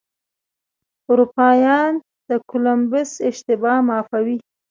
اروپایان د کولمبس اشتباه معافوي.